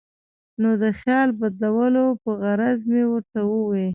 نو د خیال بدلولو پۀ غرض مې ورته اووې ـ